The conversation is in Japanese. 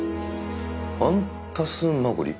「ファンタスマゴリ」？